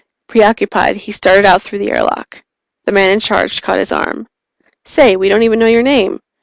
_ Preoccupied, he started out through the airlock. The man in charge caught his arm. "Say, we don't even know your name!